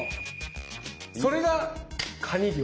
それがカニ漁。